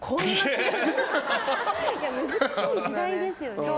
難しい時代ですよね。